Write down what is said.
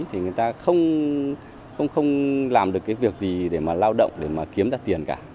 thì người ta không làm được cái việc gì để mà lao động để mà kiếm ra tiền cả